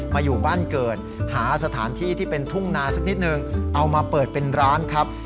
อยู่บ้านเกิดหาสถานที่ที่เป็นทุ่งนาสักนิดนึงเอามาเปิดเป็นร้านครับ